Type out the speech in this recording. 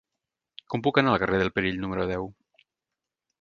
Com puc anar al carrer del Perill número deu?